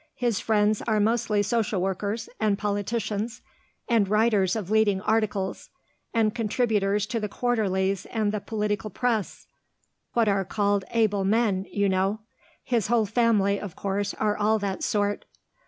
His friends are mostly social workers, and politicians, and writers of leading articles, and contributors to the quarterlies and the political press what are called able men you know; his own family, of course, are all that sort.